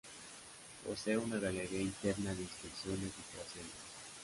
Posee una galería interna de inspección de filtraciones.